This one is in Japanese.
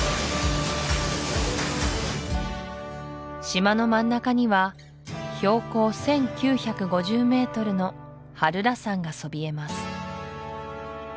島の真ん中には標高１９５０ｍの漢拏山がそびえます